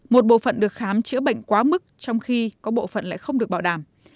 một bộ phận được khám chữa bệnh quá mức trong khi có bộ phận lại không được bảo đảm